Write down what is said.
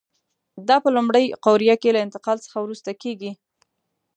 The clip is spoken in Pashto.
دا په لومړۍ قوریه کې له انتقال څخه وروسته کېږي.